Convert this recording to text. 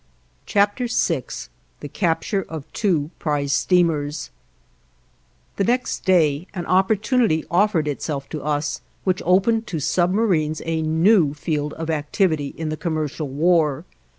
VI THE CAPTURE OF TWO PRIZE STEAMERS The next day an opportunity offered itself to us which opened to submarines a new field of activity in the commercial war.